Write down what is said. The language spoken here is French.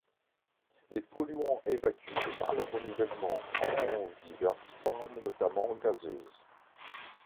Les polluants évacués par le renouvellement ont diverses formes notamment gazeuse.